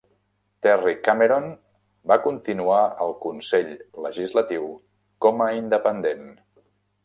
Terry Cameron va continuar al Consell Legislatiu com a independent.